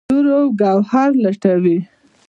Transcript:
دُراو ګوهر لټوي